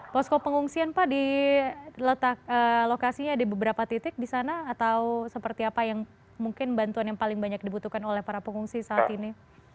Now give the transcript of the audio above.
posko pengungsian pak lokasinya di beberapa titik di sana atau seperti apa yang mungkin bantuan yang paling banyak dibutuhkan oleh para pengungsi saat ini